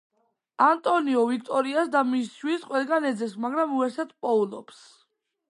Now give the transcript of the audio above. ანტონიო ვიქტორიას და მის შვილს ყველგან ეძებს მაგრამ ვერსად პოულობს.